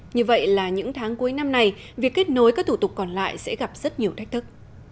như vậy là những tháng cuối năm này việc kết nối các thủ tục còn lại sẽ gặp rất nhiều thách thức